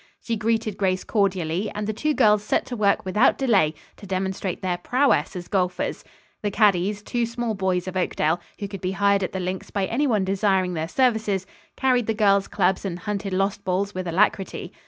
She greeted Grace cordially and the two girls set to work without delay to demonstrate their prowess as golfers. The caddies, two small boys of Oakdale, who could be hired at the links by anyone desiring their services, carried the girls' clubs and hunted lost balls with alacrity.